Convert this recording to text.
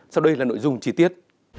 sau đây là nội dung chi tiết